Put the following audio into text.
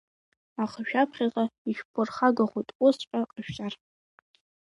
Аха шәаԥхьаҟа ишәԥырхагахоит, усҵәҟьа ҟашәҵар.